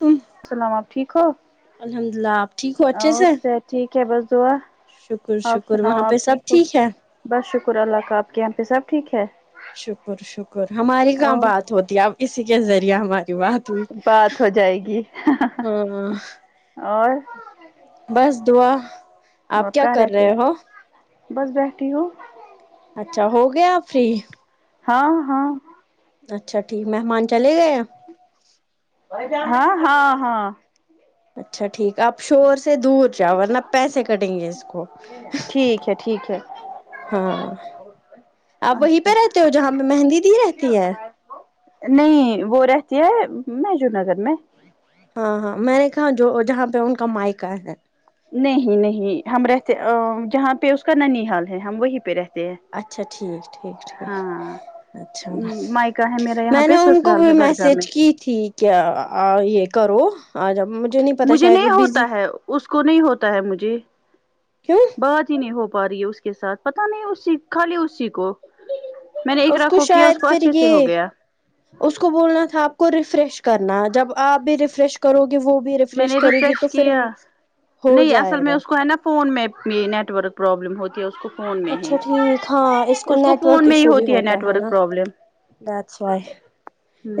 تم سلام آپ ٹھیک ہو الحمد للہ آپ ٹھیک ہو اچھے سے اور ست ٹھیک ہے بس دعا شکر آپ شکر وہاں سناؤ پہ آپ سب ٹھیک ہو ہے بس شکر اللہ کا آپ کے یہاں پہ سب ٹھیک ہے شکر شکر ہماری کہاں اور بات ہوتی ہے اب اسی کے ذریعے ہمارے کی بات ہوئی بات ہو جائے گی ہاں اور بس دعا وہ آپ کیا کر یہتے رہے ہو بس بی ٹی ہی ہوو اچھا ہو گیا آپ فری ہاں ہاں اچھا ٹھیک مہمان چلے گئے ہیں ہاں ہاں ہاں اچھا ٹھیک آپ شور سے دور چا ورنہ پیسے کٹیں گے اس کو ٹھیک ہے ٹھیک ہے ہاں آپ وہیں پہ اچھا رہتے ہو جہاں پہ مہندی دی رہتی ہے نہیں وہ رہتی ہے مجور نگر میں ہاں ہاں میں نے کہاں جو جہاں پہ ان کا مائکا ہے نہیں نہیں ہم رہتے جہاں پہ اس کا ننی حال ہے ہم وہیں پہ رہتے ہیں اچھا ٹھیک ٹھیک ٹھیک ہاں اچھا مائکا ہے میرا یہاں میں پہ نے ان کو سسرال بھی ہے بڑگام میں میسج کیی ٹھیک ہے یہ کرو آج مجھے نہیں پتا مجھے شاید وہ نہیں بزی ہوتا ہے اس کو نہیں ہوتا ہے مجھے کیوں بہت نہیں ہو پا رہی ہے اس کے ساتھ پتا نہیں اسی خالی اسی کو میں نے ایک اس ر کو کیا اس شاید کو پھر اچھے سے ہو یہ گیا اس کو بولنا تھا آپ کو ریفریش کرنا جب آپ بھی ریفریش کرو گے وہ بھی میں ریفریش نے کرے گی تو پھر کیا ہو نہیں اصل جائے میں گا اس کو ہے نا فون میں یہ نیٹ ورک پرابلم ہوتی ہے اس کو فون میں ہی اچھا ٹھیک ہاں اس کو نیٹ ورک فون میں ہی ایشو بھی ہوتی ہوتا نیٹ ہے نا ورک پرابلم دٹس وائی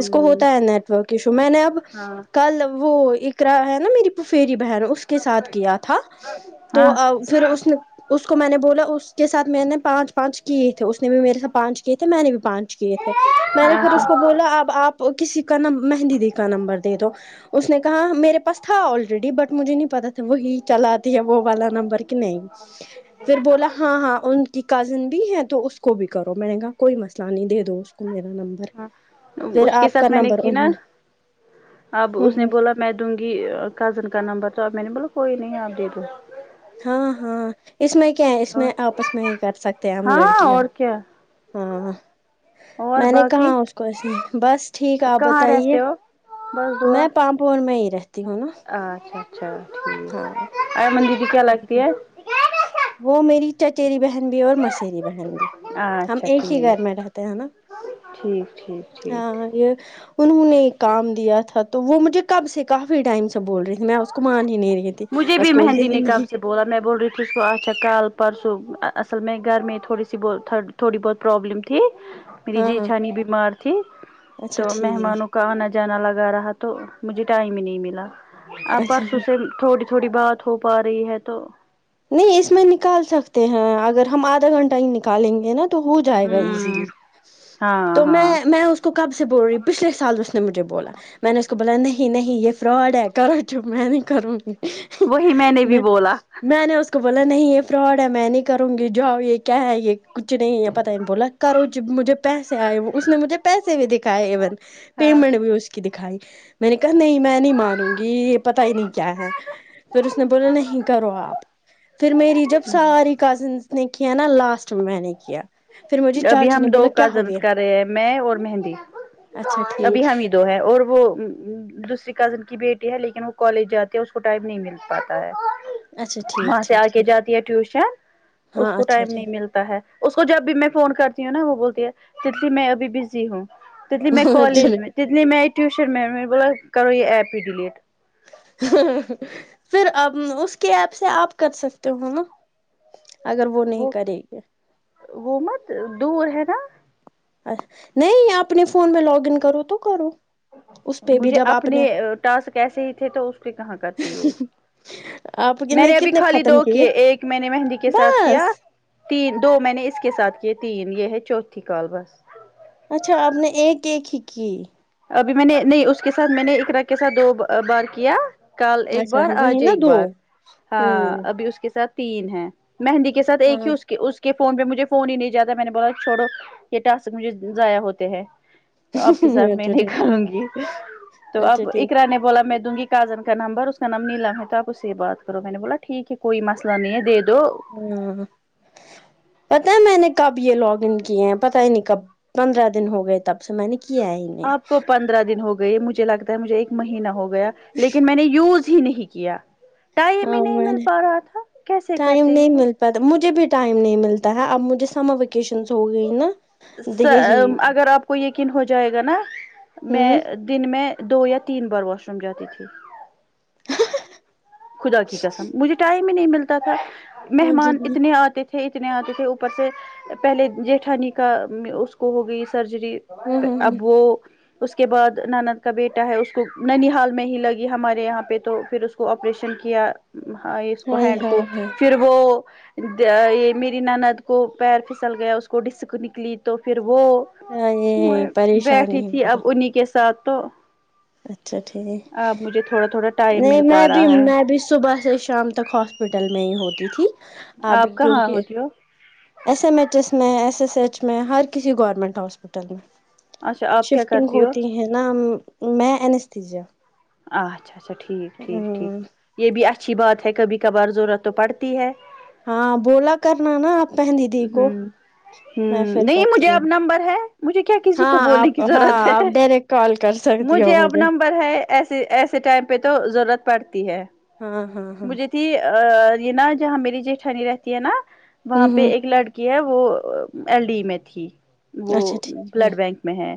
اس کو ہوتا ہے نیٹ ورک ایشو میں نے اب ہاں کل وہ اکارا ہے نا میری فیری بہن اس کے ساتھ کیا تھا تو پھر اس نے اس کو میں نے بولا اس کے ساتھ میں نے پانچ پانچ کیے تھے اس نے بھی میرے سات پانچ کیے تھے میں نے بھی پانچ کیے تھے میں نے ہاں پھر اس ہاں کو بولا اب آپ کسی کام مہندیدی کا نمبر دے دو اس نے کہا میرے پاس تھا آلریڈی بٹ مجھے نہیں پتا تھا وہی چلاتتی ہے وہ والا نمبر کہ نہیں پھر بولا ہاں ہاں ان کی کزن بھی ہے تو اس کو بھی کرو میں نے کہا کوئی مسئلہ نہیں دے دو اس [unintelligible] پھر اس کے آپ کا ساتھ میں نے نمبر کی نا انہوں نے اب اس ہ نے ہ بولا میں دوں گی کزن کا نمبر تو میں نے بولو کوئی نہیں آپ دے دوں ہاں ہاں اس میں کیا ہے اس اور میں آپس میں ہی کر سکتے ہیں ہم ہاں لڑکیاں اور کیا ہاں ں اور میں نے کہا باقی اس کواسے ہی بس ٹھیک آپ کہاں بتائیے رہتے ہو بس دعا میں پامپور میں ہی رہتی ہوں نا اچھا اچھا ہاں ٹھیک [unintelligible] ہے وہ میری چچیری بہن بھی اور مسری بہن بھی ہم اچھا ایک ہی ٹھیک گھر میں رہتے ہے نا ٹھیک ٹھیک ٹھیک ہاں یہ انہوں نے ایک کام دیا تھا تو وہ مجھے کب سے کافی ٹائم سے بول رہی میں اس کو مان ہی نہیں رہی تھی مجھے اس بھی کو بولتی مہندی تھی لگاو نہیں کے بولا میں بول رہی تھی اس کو اچھا کل پرسوں اصل میں گھر میں تھوڑی سی تھوڑی بہت پرابلم تھی میری ہاں ہاں جیٹھانی بیمار تھی اچھا تو ٹھیک مہمانوں کو آنا جانا لگا رہا تو مجھے ٹائم ہی نہیں ملا آ اچھا پرسوں سے تھوڑی تھوڑی بات ہو پا رہی ہے تو نہیں اس میں نکال سکتے ہیں اگر ہم آدھا گھنٹہ ہی نکالیں گے نا تو ہو جائے گا ہوں ایزیلی ہاں تو میں ہاں میں اس کو کب سے بول رہی ہوں پچھلے سال اس نے مجھے بولا میں نے اس کو بولا نہیں نہیں یہ فراڈ ہے کرو تم میں نہیں کروں گی وہی میں نے بھی بولا میں نے اس کو بولا نہیں یہ فراڈ ہے میں نہیں کروں گی جاؤ یہ کیا ہے یہ کچھ نہیں پتا ہی بولا وہ جو مجھے پیسے آئے اس نے مجھے پیسے بھی دکھائے ایون ہاں پیمنٹ بھی اس کی دکھائی میں نے کہا نہیں میں نہیں مانوں گی یہ پتا ہی نہیں کیا ہے پھر اس نے بولا نہیں کرو آپ پھر میری جب ساری کزنس نے کیا نا لاسٹ میں میں نے کیا پھر مجھے ابھی چاچی ہم نے دو بولا کیا ہو کازنس گیا کر رہے ہیں میں اور مہندی اچھا ٹھیک ابھی ہم ہی دو ہے اور وہ دوسری کزن کی بیٹی ہے لیکن وہ کالج جاتے ہے اس کو ٹائم نہیں مل پاتا ہے اچھا ٹھیک وہاں سے ٹھیک آ کے ٹھیک جاتی ہے ٹیوشن ہاں اس کو اچھا ٹائم نہیں ٹھیک ملتا ہے اس کو جب بھی میں فون کرتی ہوں نا وہ بولتی ہے تتلی میں ابھی بزی ہوں تتلی میں کالج میں جتنے میں آئی ٹیوشن ممی بولا کرو یہ ایپ ہی ڈلیٹ ہا ہا پھر اب اس کی ایپ سے آپ کر سکتے ہو نا اگر وہ نہیں کرے گے وہ مت دور ہے نا نہیں اپنے فون میں لاگن کرو تو کرو اس پہ بھی مجھے جب آپ اپنے نے ا ٹاسک کیسے ہی تھے تو اس کے کہاں کرتی آپ میں نے ابھی کتنے خالی ختم دو کیے ایک میں نے مہندی کے ساتھ کیا بس تین دو میں نے اس کے ساتھ کیے تین یہ ہے چوتھی کال بس اچھا آپ نے ایک ایک ہی کی ابھی میں نے نہیں اس کے ساتھ میں نے اقرا کے ساتھ دو ب بار کیا کل ایک اچھا بار وہی آج نا ایک دو بار ہاں ہوں ابھی اس کے ساتھ تین ہے مہندی کے ساتھ ایک ہاں ہی اس کی اس کے فون پہ مجھے فون ہی نہیں جاتا میں نے بولا چوڑو یہ ٹاسک مجھے ضایع ہوتے ہیں تو آپ کے ساتھ [unintelligible] میں نہیں کروں گی تو اچھا اب ٹھیک اقرا نے بولا میں دوں گی کازن کا نمبر اور اس کا نام نیلم ہے تو آپ اس سے بات کرو میں نے بولا ٹھیک ہے کوئی مسئلہ نہیں ہے دے دو ہاں پتا ہے میں نے کب یہ لاگ ان کیے ہیں پتہ ہی نہیں کب پندرہ دن ہو گئے تب سے میں نے کیا ہی نہیں آپ کو پندرہ دن ہو گئے مجھے لگتا ہے مجھے ایک مہینہ ہو گیا لیکن میں نے یوز ہی نہیں کیا ٹائم ہاں ہی نہیں میں مل نے پا رہا تھا کیسے ٹائم کرتے نہیں وہ مل مجھے بھی ٹائم نہیں ملتا ہے اب مجھے سمر ویکیشنس ہو گئی نا سا ا یہی اگر آپ کو یقین ہو جائے گا نا میں ہوں دن میں دو یا تین بار واش روم جاتی تھی [inaudible] خدا کی قسم مجھے ٹائم ہی نہیں ملتا تھا مہمان ہ اتنے آتے تھے تھے اتنے آتے تھے اوپر سے پہلے جیٹھانی کا اس کو ہو گئی سرجری ہ اب وہ اس کے بعد نانند کا بیٹا ہے اس کو ننی حال میں ہی لگی ہمارے یہاں پہ تو پھر اس کو آریشن کیا اس کو ہائے ہینڈ کو ہائے ہائے پھر وہ یہ میری ند کو پیر پھسل گیا اس کو ڈسک نکلی تو پھر وہ ہائے میں بیٹھی پریشانی ہے تھی میرے اب انہیں کے ساتھ تو اچھا ٹھیک اب مجھے تھوڑا تھوڑا ٹائم نہیں مل میں پا بھی رہا ہے میں بھی صبح سے شام تک ہاسپٹل میں ہی ہوتی تھی اب آپ کہاں کیونکہ ہوتی ہو ایس ایم ایچ ایس میں ایس ایس ایچ میں ہر کسی گورنمنٹ ہاسپیٹل میں اچھا آپ کیا شفٹنگ کرتی ہو ہوتی ہے نا میں اجیا اچھا اچھا ٹھیک ٹھیک ٹھیک یہ بھی اچھی بات ہے کبھی کبھار ضرورت تو پڑتی ہے ہاں بولا کرنا نا آپ پہن د دی کو ہوں میں پھر ہوں نہیں کرتی مجھے ہوں اب نمبر ہے مجھے کیا کسی کو ہاں بولنے آپ کی ہاں ضرورت آپ ہے ڈائریکٹ کال کر سکتی ہو مجھے اب مجھے نمبر ہے ایسے ایسے ٹائم پہ تو ضرورت پڑتی ہے ہاں ہاں ہاں مجھے یہ نا جہاں میری جٹھانی رہتی ہے نا وہاں ہوں پہ ہوں ایک لڑکی ہے وہ ایل ڈی میں تھی وہ اچھا ٹھیک ہے بلڈ بینک میں ہے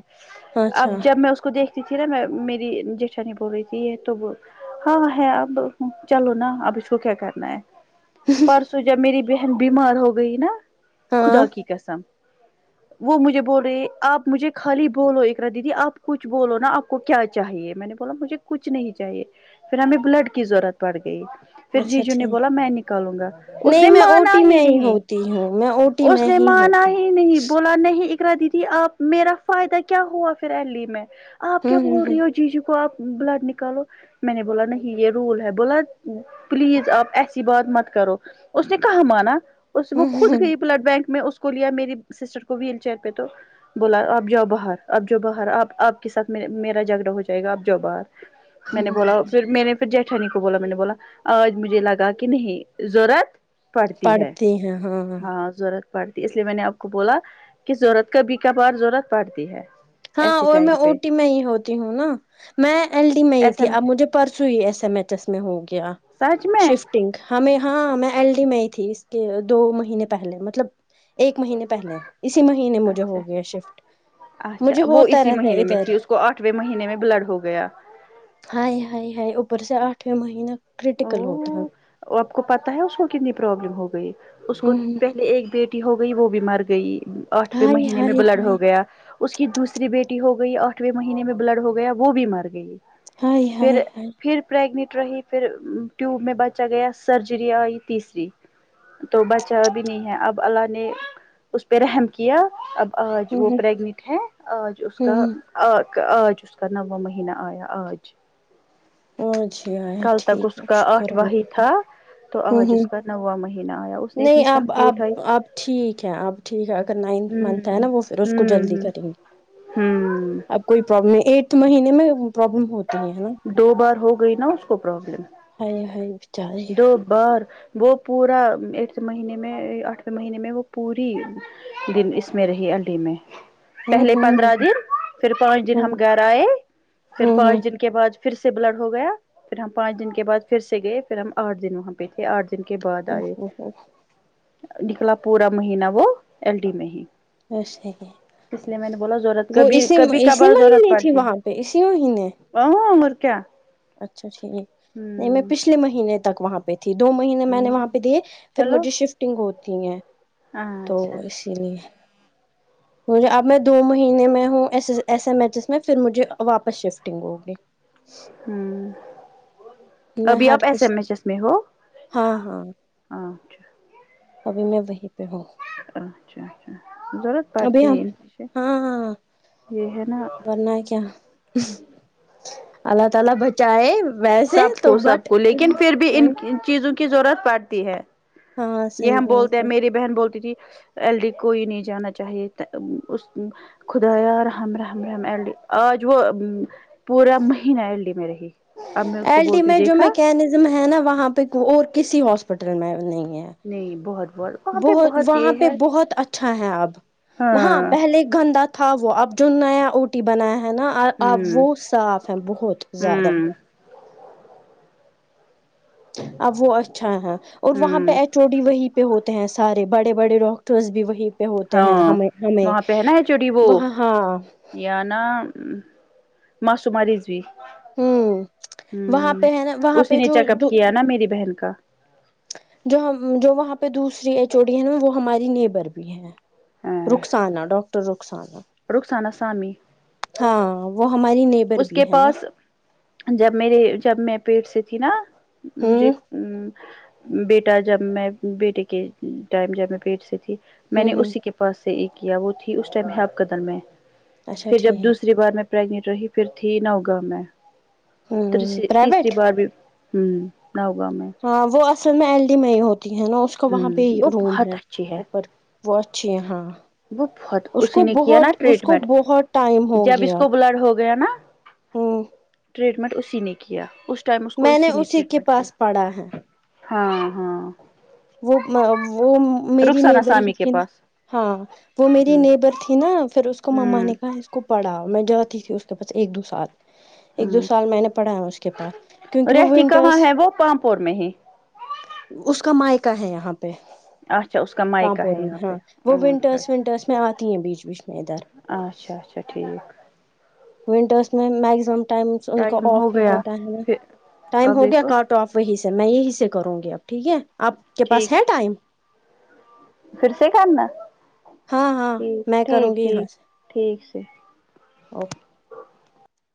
اچھا اب جب میں اس اس کو دیکھتی تھی نا میں میری جیشھانی بول رہی تھی تو وہ ہاں ہے اب چلو نا اب اس کو کیا کرنا ہے پرسوں جب میری بہن بیمار ہو گئی نا ہاں خدا کی قسم وہ مجھے بول رہے آپ مجھے خالی بولو ایکرا دیدی آپ کچھ بولو نا آپ کو کیا چاہیے میں نے بولا مجھے کچھ نہیں چاہیے پھر ہمیں بلڈ کی ضرورت پڑ گئی پھر اچھا جیجو نے ٹھیک بولا میں نکالوں گا اس نے مانا ہی نہیں تی ہوں میں ٹی اس میں نے ہی مانا ہوتی ہوں ہی نہیں بولا نہیں کرا دی تی آپ میرا فائدہ کیا ہوا پھر الی میں آپ کیا ہوں بول ہوں رہی ہو چیز کو آپ بلاڈ نکالو میں نے بولا نہیں یہ رول ہے بولا پلیز آپ ایسی بات مت کرو اس نے کہاں مانا اس وہ خود ہوں گئی بلڈ بینک میں کو کو لیا میری سسٹر کو ویل چیئر پہ تو بولا آپ جاؤ باہر آپ جا باہر آپ آپ کے ساتھ میرا جھگڑا ہو جائے گا آپ جاؤ باہر میں نے ہوں ہوں بولا پھر میں نے پھر جیٹھانی کو بولا میں نے بولا آج مجھے لگا کہ نہیں ضرورت پڑھتی ہے جی ہاں ہاں ہاں ہاں ضرورت پڑتی اس لیے میں نے آپ کو بولا کہ ضرورت کبھی کبھار ضرورت پڑتی ہے ہاں ایسے اور میں ٹائم او پہ ٹی میں ہی ہوتی ہوں نا میں ایل ڈی میں ہی تھی اب مجھے پرسوں ہی ایس ایم ایچ ایس میں ہو گیا سچ میں شفٹ پنک ہمیں ہاں میں ایل ڈی میں ہی تھی اس کے دو مہینے پہلے مطلب ایک مہینے پہلے اسی مہینے مجھے اچھا ہو گیا شفٹ اچھا مجھے وہ ہوتا اسی رہتا ہے مہینے میں ادھر تھی اس کو آٹھویں مہینے میں بلڈ ہو گیا ہائے ہائے ہائے اوپر سے آٹھویں مہینہ کرٹیکل او ہوتا ہے آپ کو پتا ہے اس کو کتنی پرابلم ہو گئی اس کو ہمم پہلے ایک بیٹ ہو گئی وہ بھی مر گئی آٹھویں ہائے مہینے میں ہائے بلڈ ہائے ہو گیا اس کی دوسری بیٹی ہو گئی آٹھویں مہینے میں بلڈ ہو گیا وہ بھی مر گئی ہائے ہائے پھر ہائے پھر پریگنٹ رہی پھر ٹیوب میں بچ گیا سرجری آئی تیسری تو بچا بھی نہیں ہے اب اللہ نے اس پہ رحم کیا اب آج وہ ہمم پریگنٹ ہے آج اس کا ہمم آ آج اس کا نواں مہینہ آیا آج ا جھ کل تک ٹھیک اس ہے کا شکر آٹھواں اللہ ہی اللہ تھا تو آج اس کا نواں مہینہ آیا ہو نہیں آپ آپ اپ ٹھیک ہے آپ ٹھیک ہے اگر نائنتھ منتھ ہے ہوں نا وہ پھر اس کو جلدی ہوں کریں گے ہوں اب کوئی پرابلم ایٹھ مہینے میں پرابلم ہوتا دو بار ہو گئی نا اس کو پرابلم دو بار وہ پورا ایٹھ مہینے میں آٹھویں مہینے میں وہ پوری دن اس میں رہی ہڈی میں پہلے پندرہ دن پھر پانچ دن ہم گھر آئے پھر ہوں ہوں پانچ دن کے بعد پھر سے بلڈ ہو گیا پھر ہم پانچ دن کے بعد پھر سے گئے پھر ہم آٹھ دن وہاں پہ تھے آٹھ دن کے بعد او آئے ہو ہو نکلا پورا مہینہ وہ ایل ڈی میں ہی اھا اس لیے میں نے بولا ضرورت وہ کبھی اسی کبھی اسی کبھار مہگی نہیں تھی وہاں اسی مہینے ا مورک اچھا ٹھیک نہیں میں پچھلے مہینے تک وہاں پہ دو مہینے میں نے ہوں وہاں پہ دیے پھر چلو مجھے شفٹنگ ہوتی ہے ہاں تو اچھا اس اسی لیے مجھے اب میں دو مہینے میں ہوں ایس ایم ایچ ایس میں پھر مجھے واپس شفٹنگ ہوگی ہ میں ابھی ہر آپ ایس کس ایم ایچ ایس میں ہو ہاں ہاں ہاں ابھی میں وہیں پہ ہوں اچھا اچھا ضرورت ابھی پڑتی ہم ہے ان سے ہاں ہاں یہ ہے نا ورنا ہے کیا اللہ تعالی بچ چاہے ویسے سب تو کو بٹ سب کو لیکن پھر بھی ان چیزوں کی ضرورت پڑتی ہے ہاں یہ صحیح ہم بولتے بات ہیں ہے میری بہن بولتی تھی ایل ڈی کوئی نہیں جانا چاہیے اس خدایا رحم رحم رحم ال آج وہ پورا مہینہ الٹیمیٹ میں رہی اب میں اس کو بولتی ہوں الٹیمیٹ جو دیکھا میکینزم ہے نا وہاں پہ اور کسی ہاسپٹل میں نہیں ہے نہیں بہت وہاں پہ بہت وہاں یہ پہ ہے بہت اچھا ہے اب ہاں پہلے گندا ہاں وہ اب جو نیا اٹی بنایا ہے نا اب ہوں وہ صاف ہے بہت زیادہ ہوں اب وہ اچھا ہے اور وہاں پہ ہوں چوٹی وہی پہ ہوتے ہیں سارے بڑے بڑے ڈاکٹرس بھی وہی پ ہوتے ہیں ہاں ہمیں ہمیں وہاں پہ ہے نا چوڑی وہ ہاں یا ن معصو ا رہی جی [unintelligible] ہوں وہاں پہ ہے نا وہاں پہ اسی نے جو چیک اپ کیا نا میری بہن کا جو ہم جو وہاں پہ دوسری ایچوڑی ہے نا وہ ہماری نیبر بھی ہے رخسانا ڈاکٹر رخسانا رخسان سامی ہاں وہ ہماری نیبر اس بھی کے ہے نا پاس جب میرے جب میں پیٹ سے تھی نا مجھے ہوں بیٹا جب میں بیٹے کے ٹائم جب میں پیٹ سے تھی میں ہوں نے ہوں اسی کے اس سے ایک کیا وہ تھی اس ٹائمپ قدل میں اچھا پھر جب ٹھیک دوسری بار میں گٹ رہی پھر تھی نہ ہوگا میں ہوں تیسری پرائیویٹ بار بھی ہوں نو گاؤ میں ہاں وہ اصل میں ایل ڈی میں ہی ہوتی ہے نا اس کو وہاں پہ ہوں ہی وہ روم بہت ہے اچھی اوپر وہ اچھی یہ ہاں وہ بہت اس اسی کو نے کیا نا بہت اس کو ٹریٹمنٹ بہت ٹائم ہو جب اس گیا کو بلڈ ہو گیا نا ہوں ٹریٹمنٹ اسی نے کیا اس ٹائم اس کو میں اسی نے کے ٹریٹمنٹ پاس پڑھا ہے کیا ہاں ہاں وہ وہ میری رخسانہ نیبر سامی کے ہی پاس ہاں وہ میری ہوں نیبر تھی نا پھر اس کو ماما ہوں نے کہا اس کو پڑھاؤ میں جاتی تھی اس کے پاس ایک دو سال ایک دو ہوں سال میں نے پڑھا ہے اس کے پاس کیونکہ وہ رہتی کہاں ونٹرس ہے وہ پامپور میں ہی اس کا مائکہ ہے یہاں پہ اچھا اس کا مائیکا پامپور ہے یہاں میں پہ ہاں وہ اچھا ونٹرس ونٹرس میں آتی ہیں بیچ بیچ میں ادھر اچھا اچھا ٹھیک ونٹرس میں مگزمم ٹم ان کا ٹائم آف ہو ہی گیا ہوتا ہے نا پھر ٹائم آپ ہو گیا دیکھو کاٹ اف وہی سے میں یہیں سے کروں گی اب ٹھیک ہے آپ کے پاس ٹھیک ہے ٹائم پھر سے کرنا ہاں ہاں ٹھیک میں کروں ٹھیک گی یہاں ٹھیک ٹھیک سے او